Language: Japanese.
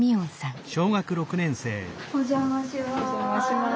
お邪魔します。